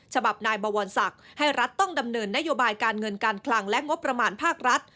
ฉบับนายบวรศักดิ์ให้รัฐต้องดำเนินนโยบายการเงินการคลังและงบประมาณภาครัฐ